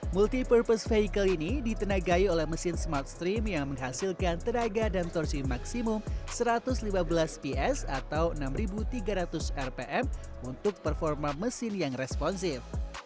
multi purpose vehicle ini ditenagai oleh mesin smart stream yang menghasilkan tenaga dan torsi maksimum satu ratus lima belas ps atau enam tiga ratus rpm untuk performa mesin yang responsif